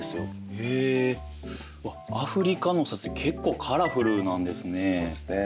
へえアフリカのお札って結構カラフルなんですね。